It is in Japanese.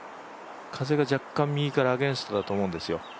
風が若干、右からアゲンストだと思うんですよ。